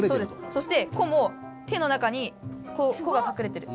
そして「こ」も「て」の中に「こ」がかくれてる。